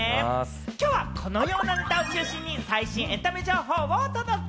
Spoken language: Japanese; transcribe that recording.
きょうはこのようなネタを中心に最新エンタメ情報をお届け。